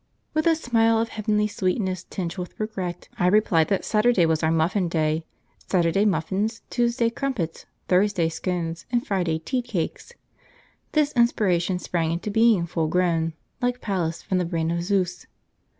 With a smile of heavenly sweetness tinged with regret, I replied that Saturday was our muffin day; Saturday, muffins; Tuesday, crumpets; Thursday, scones; and Friday, tea cakes. This inspiration sprang into being full grown, like Pallas from the brain of Zeus.